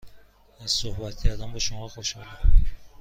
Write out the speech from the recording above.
از صحبت کردن با شما خوشحالم.